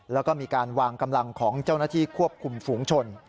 แล้วก็มีการวางกำลังของเจ้าหน้าที่ควบคุมฝูงชน